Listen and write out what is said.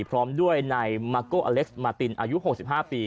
พร้อมด้วยนายมาโกอเล็กซ์มาตินอายุ๖๕ปี